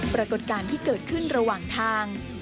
ปรากฏการณ์ที่เกิดขึ้นระหว่างทาง